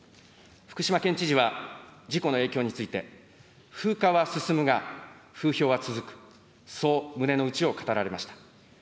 福島県知事は、事故の影響について、風化は進むが風評は続く、そう胸の内を語られました。